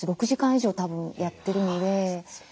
６時間以上たぶんやってるので。